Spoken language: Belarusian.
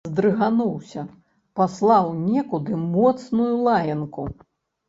Здрыгануўся, паслаў некуды моцную лаянку.